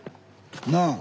なあ。